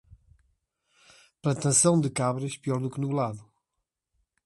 Plantação de cabras, pior do que nublado.